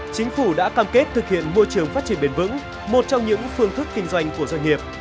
chính phủ đã cam kết thực hiện môi trường phát triển bền vững một trong những phương thức kinh doanh của doanh nghiệp